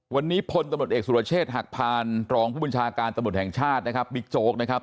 วันนี้พนทรบบำรุษเอกสุรเชษฐ์หักพาลรองผู้บุญชาการสมทไหนบิร์กโจ๊กนะครับ